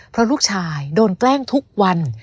เพราะลูกชายโดนแกล้งทุกวัน